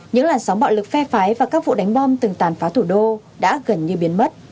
những làn sóng bạo lực phe phái và các vụ đánh bom từng tàn phá thủ đô đã gần như biến mất